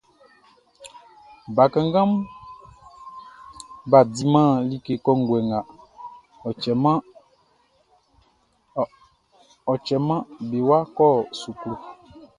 Bakannganʼm bʼa diman like kɔnguɛ nga, ɔ cɛman be wa kɔ suklu.